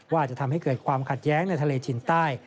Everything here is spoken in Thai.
ว่าจะทำให้เกิดความขัดแย้งในทะเลจินใต้